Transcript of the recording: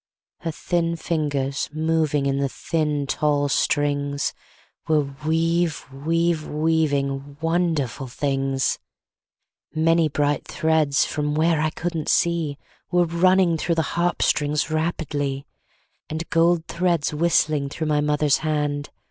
Her thin fingers, moving In the thin, tall strings, Were weav weav weaving Wonderful things. Many bright threads, From where I couldn't see, Were running through the harp strings Rapidly, And gold threads whistling Through my mother's hand.